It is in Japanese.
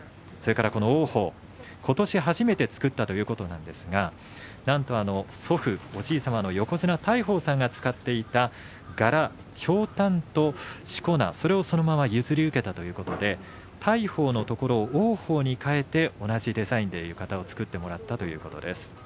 王鵬、ことし初めて作ったということなんですが祖父おじい様の横綱大鵬さんが使っていた柄ひょうたんと、しこ名それを、そのまま譲り受けたということで大鵬のところを王鵬にかえて同じデザインで浴衣を作ってもらったということです。